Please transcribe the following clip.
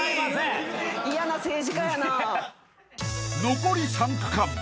［残り３区間］